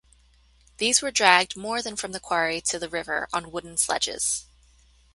These were dragged more than from the quarry to the river on wooden sledges.